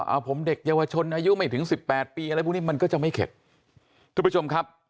เอาผมเด็กเยาวชนอายุไม่ถึงสิบแปดปีอะไรพวกนี้มันก็จะไม่เข็ดทุกผู้ชมครับ